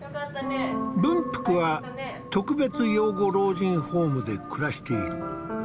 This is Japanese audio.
文福は特別養護老人ホームで暮らしている。